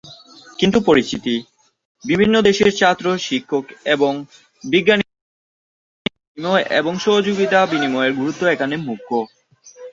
কিন্তু পরিচিতি, বিভিন্ন দেশের ছাত্র, শিক্ষক এবং বিজ্ঞানীদের মধ্যে ধারণা, মতবিনিময় এবং সহযোগিতা বিনিময়ের গুরুত্ব এখানে মুখ্য।